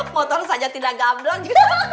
motor saja tidak gablang juga